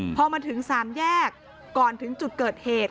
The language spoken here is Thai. พอมาถึงสามแยกก่อนถึงจุดเกิดเหตุ